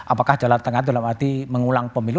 apakah jalan tengah dalam arti mengulang pemilu